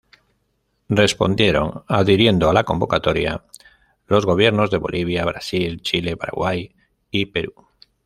Respondieron adhiriendo a la convocatoria los gobiernos de Bolivia, Brasil, Chile, Paraguay y Perú.